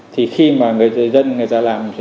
thì khi mà người dân người ta làm